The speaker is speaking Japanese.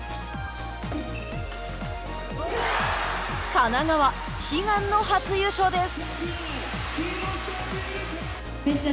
神奈川、悲願の初優勝です。